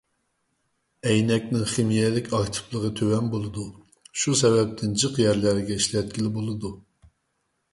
ئەينەكنىڭ خىمىيەلىك ئاكتىپلىقى تۆۋەن بولىدۇ، شۇ سەۋەبتىن جىق يەرلەرگە ئىشلەتكىلى بولىدۇ.